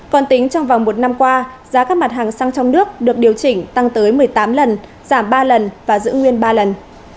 còn tính trong vòng một năm qua giá các mặt hàng xăng trong nước được điều chỉnh tăng tới một mươi tám lần giảm ba lần và giữ nguyên ba lần